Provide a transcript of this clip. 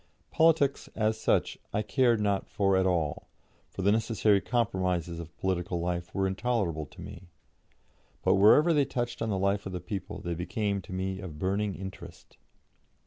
Politics, as such, I cared not for at all, for the necessary compromises of political life were intolerable to me; but wherever they touched on the life of the people they became to me of burning interest.